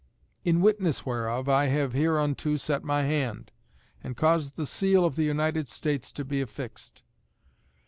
In witness whereof, I have hereunto set my hand, and caused the seal of the United States to be affixed.